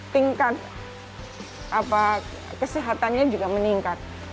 tingkat kesehatannya juga meningkat